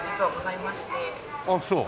あっそう。